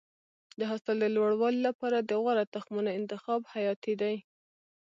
د حاصل د لوړوالي لپاره د غوره تخمونو انتخاب حیاتي دی.